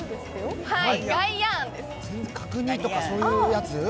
角煮とか、そういうやつ？